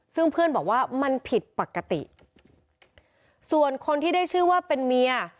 ซึ่งเพื่อนบอกว่ามันผิดปกติส่วนคนที่ได้ชื่อว่าเป็นเมีย